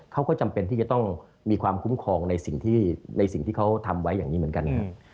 จำเป็นที่จะต้องมีความคุ้มครองในสิ่งที่เขาทำไว้อย่างนี้เหมือนกันครับ